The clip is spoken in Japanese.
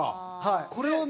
これをね